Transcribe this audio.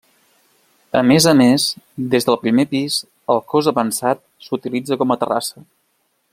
A més a més, des del primer pis, el cos avançat s'utilitza com a terrassa.